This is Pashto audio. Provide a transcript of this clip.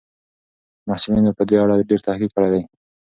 محصلینو په دې اړه ډېر تحقیق کړی دی.